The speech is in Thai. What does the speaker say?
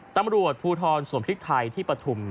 ตำรวจภูทรสวนพริกไทยที่ปฐุม